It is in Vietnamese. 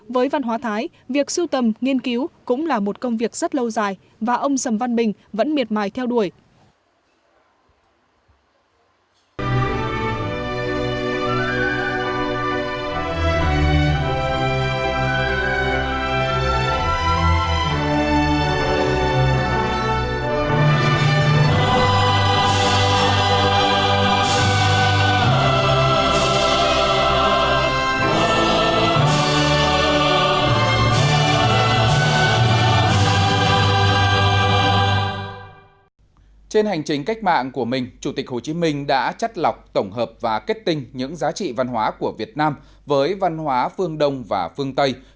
việc sưu tầm nghiên cứu cũng là một công việc rất lâu dài và ông sầm văn bình vẫn miệt mài theo đuổi